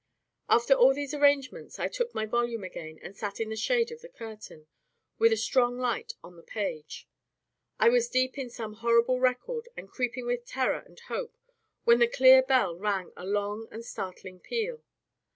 After all these arrangements I took my volume again, and sat in the shade of the curtain, with a strong light on the page. I was deep in some horrible record, and creeping with terror and hope, when the clear bell rang a long and startling peal.